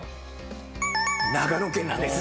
長野県なんです。